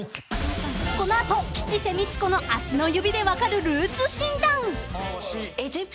［この後吉瀬美智子の足の指で分かるルーツ診断］